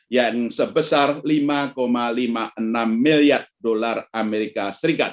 yang sebesar lima lima puluh enam miliar dolar as